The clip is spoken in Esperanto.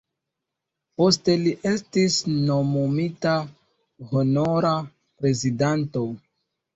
Poste li estis nomumita Honora Prezidanto.